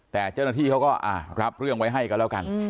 แต่เจ้าหน้าที่เขาก็รับเรื่องไว้ให้กันแล้วกัน